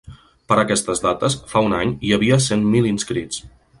Per aquestes dates, fa un any, hi havia cent mil inscrits.